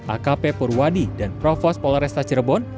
akp purwadi dan provos polresta cirebon